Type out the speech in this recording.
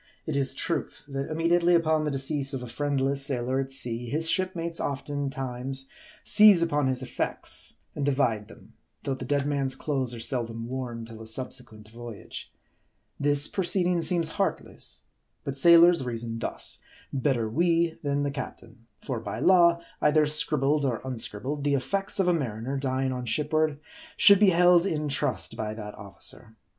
It is truth, that immediately upon the decease of a friendless sailor at sea, his shipmates oftentimes seize upon his effects, and divide them ; though the dead man's clothes are seldom worn till a subsequent voyage. This proceeding seems heartless. But sailors reason thus : Better we, than the captain. For by law, either scribbled or unscribbled, the effects of a mariner, dying on shipboard, should be held in trust by that officer.